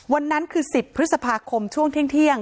วันนั้นคือ๑๐พฤษภาคมช่วงเที่ยง